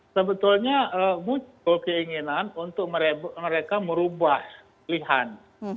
sebetulnya muncul keinginan untuk mereka merubah pilihan